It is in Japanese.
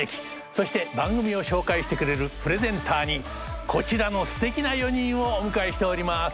そして番組を紹介してくれるプレゼンターにこちらのすてきな４人をお迎えしております。